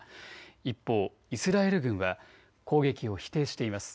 一方、イスラエル軍は攻撃を否定しています。